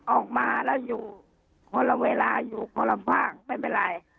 ออกมาแล้วอยู่คนละเวลาอยู่คนละภาคไม่เป็นไร